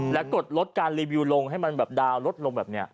และกดลดการรีวิวลงให้มันแบบดาวน์ลดลงแบบนี้